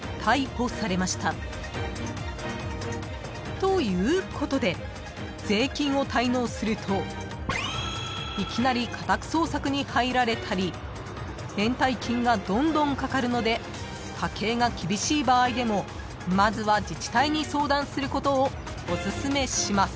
［ということで税金を滞納するといきなり家宅捜索に入られたり延滞金がどんどんかかるので家計が厳しい場合でもまずは自治体に相談することをおすすめします］